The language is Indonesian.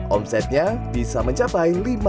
omsetnya bisa mencapai lima puluh juta rupiah per bulan